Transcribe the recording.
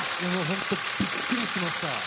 本当、びっくりしました。